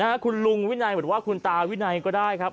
คุณลุงวินัยหรือว่าคุณตาวินัยก็ได้ครับ